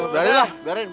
biarin lah biarin